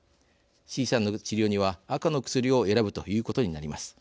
Ｃさんの治療には赤の薬を選ぶということになります。